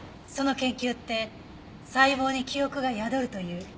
その研究って細胞に記憶が宿るという。